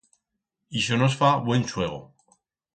Ixo nos fa buen chuego.